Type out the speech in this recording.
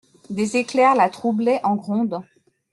Des éclairs la troublaient en grondant.